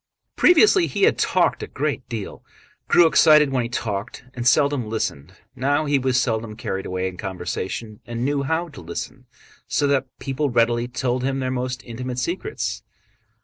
Previously he had talked a great deal, grew excited when he talked, and seldom listened; now he was seldom carried away in conversation and knew how to listen so that people readily told him their most intimate secrets.